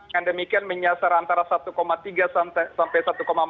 dan demikian menyasar antara satu tiga sampai satu empat